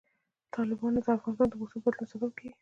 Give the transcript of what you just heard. تالابونه د افغانستان د موسم د بدلون سبب کېږي.